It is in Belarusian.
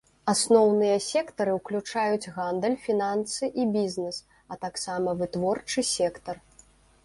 Асноўныя сектары ўключаюць гандаль, фінансы і бізнес, а таксама вытворчы сектар.